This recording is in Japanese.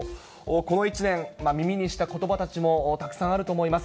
この１年、耳にしたことばたちも、たくさんあると思います。